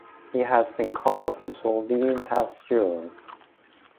He has been called the Slovene Pasteur.